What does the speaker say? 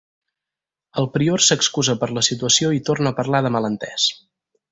El prior s'excusa per la situació i torna a parlar de malentès.